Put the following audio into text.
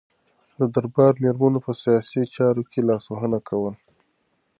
د دربار میرمنو په سیاسي چارو کې لاسوهنه کوله.